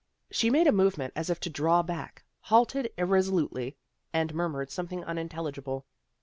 She made a movement as if to draw back, halted irresolutely, and murmured some thing unintelligible.